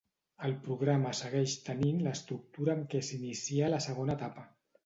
El programa segueix tenint l'estructura amb què s'inicià la segona etapa.